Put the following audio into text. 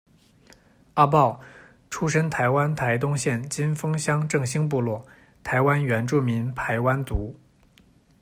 阿爆，出身台湾台东县金峰乡正兴部落，台湾原住民排湾族。